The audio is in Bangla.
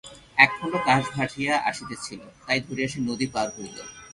একখণ্ড কাঠ ভাসিয়া আসিতেছিল, তাই ধরিয়া সে নদী পার হইল।